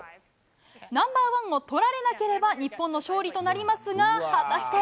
ナンバーワンを取られなければ、日本の勝利となりますが、果たして。